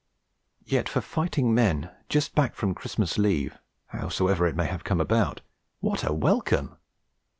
Yet for fighting men just back from Christmas leave, howsoever it may have come about, what a welcome!